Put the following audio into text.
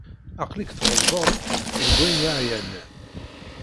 Aql-ik tɣelḍeḍ deg wayen i aɣ-yeɛnan.